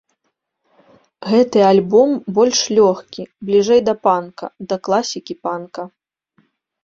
Гэты альбом больш лёгкі, бліжэй да панка, да класікі панка.